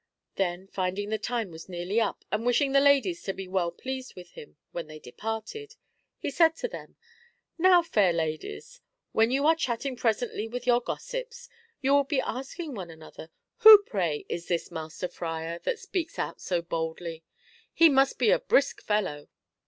Then finding the time was nearly up, and wishing the ladies to be well pleased with him when they departed, he said to them "Now, fair ladies, when you are chatting presently with your gossips, you will be asking one another :' Who, pray, is this Master Friar, SECOND 'DAY: TALE XI. (B). 97 that speaks out so boldly ? He must be a brisk fellow.'